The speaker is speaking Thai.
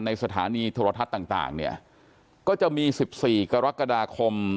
สถานีโทรทัศน์ต่างเนี่ยก็จะมี๑๔กรกฎาคม